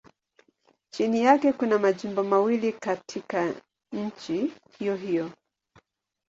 Chini yake kuna majimbo mawili katika nchi hiyohiyo.